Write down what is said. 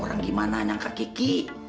orang gimana yang ke kiki